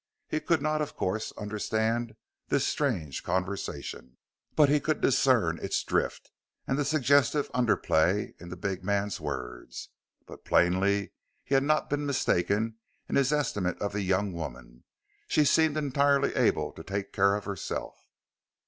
He could not, of course, understand this strange conversation, but he could discern its drift, and the suggestive underplay in the big man's words. But plainly he had not been mistaken in his estimate of the young woman she seemed entirely able to take care of herself.